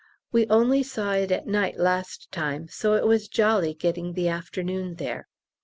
We only saw it at night last time, so it was jolly getting the afternoon there.